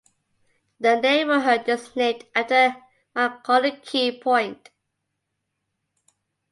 The neighborhood is named after Makonikey point.